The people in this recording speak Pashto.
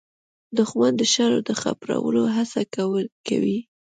دښمن د شر د خپرولو هڅه کوي